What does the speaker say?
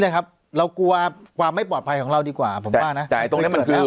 ครับเรากลัวความไม่ปลอดภัยของเราดีกว่าผมว่านะจ่ายตรงนี้มันคือ